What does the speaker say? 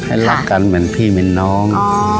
รักกันเหมือนพี่เหมือนน้อง